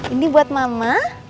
ini buat mama